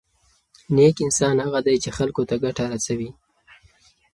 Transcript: نېک انسان هغه دی چې خلکو ته ګټه رسوي.